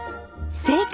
正解！